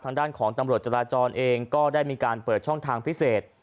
ทางด้านของตำรวจจราจรเองก็ได้มีการเปิดช่องทางพิเศษ